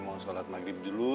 mau sholat maghrib dulu